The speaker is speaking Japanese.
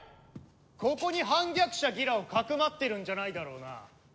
ここに反逆者ギラをかくまってるんじゃないだろうな？